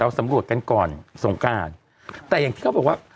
สำรวจกันก่อนสงการแต่อย่างที่เขาบอกว่า